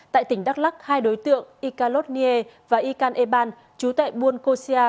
tại tỉnh đắk lắc hai đối tượng ika lốt nghê và ika eban chú tệ buôn cô sia